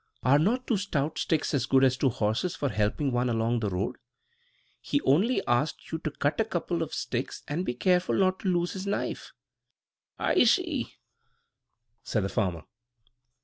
"Are not two stout sticks as good as two horses for helping one along on the road? He only asked you to cut a couple of sticks and be careful not to lose his knife." "I see," said the farmer.